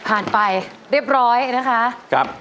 ไปเรียบร้อยนะคะ